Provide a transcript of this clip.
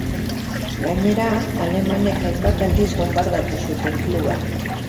Gainera, alemanek hainbat aldiz bonbardatu zuten kluba.